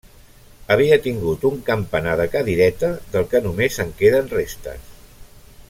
Havia tingut un campanar de cadireta del que només en queden restes.